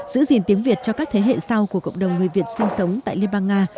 giữ gìn tiếng việt cho các thế hệ sau của cộng đồng người việt sinh sống tại liên bang nga